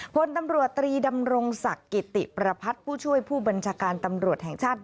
พลตำรวจตรีดำรงศักดิ์กิติประพัทธ์ผู้ช่วยผู้บัญชาการตำรวจแห่งชาติ